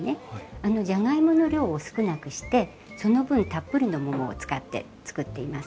あのじゃがいもの量を少なくしてその分たっぷりの桃を使って作っています。